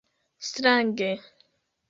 strange